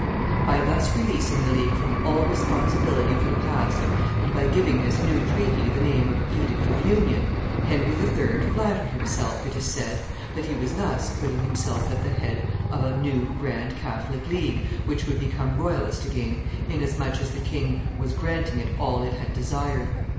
By thus releasing the League from all responsibility for the past, and by giving this new treaty the name of edict of union, Henry III. flattered himself, it is said, that he was thus putting himself at the head of a new grand Catholic League which would become royalist again, inasmuch as the king was granting it all it had desired.